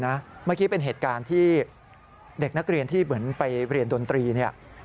เมื่อกี้เป็นเหตุการณ์ที่เด็กนักเรียนที่เหมือนไปเรียนดนตรีเนี่ย